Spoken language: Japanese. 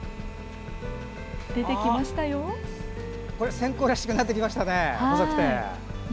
線香らしくなってきましたね。